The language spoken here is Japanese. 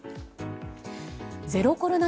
ゼロコロナ